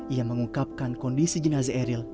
ia mengungkapkan kondisi jenazah eril